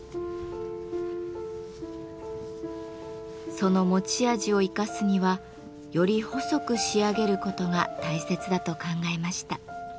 その持ち味を生かすにはより細く仕上げることが大切だと考えました。